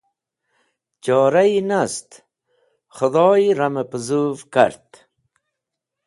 Chorayi nast, Khẽdhy ramẽ pẽzũv kart.